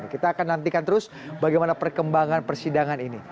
kita akan nantikan terus bagaimana perkembangan persidangan ini